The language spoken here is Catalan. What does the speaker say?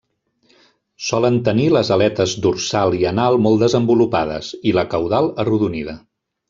Solen tenir les aletes dorsal i anal molt desenvolupades, i la caudal arrodonida.